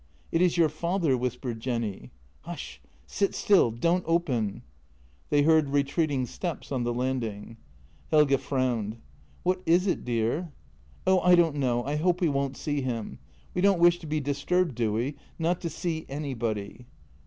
" It is your father," whispered Jenny. " Hush — sit still — don't open !" They heard retreating steps on the landing. Helge frowned. " What is it, dear? "" Oh, I don't know — I hope we won't see him. We don't wish to be disturbed, do we? Not to see anybody."